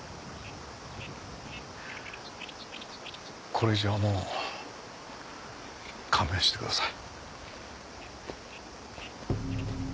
これ以上はもう勘弁してください。